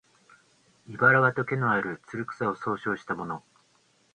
「茨」はとげのある、つる草を総称したもの